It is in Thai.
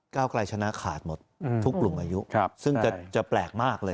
เก้ากลายชนะขาดหมดอืมทุกกลุ่มอายุครับซึ่งจะจะแปลกมากเลย